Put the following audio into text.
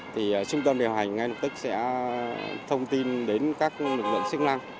thì trung tâm điều hành ngay lập tức sẽ thông tin đến các lực lượng chức năng